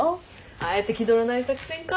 あえて気取らない作戦か。